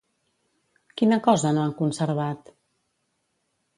Quina cosa no han conservat?